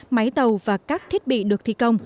máy tàu và các thiết bị được thi công